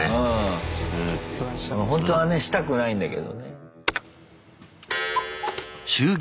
ほんとはねしたくないんだけどね。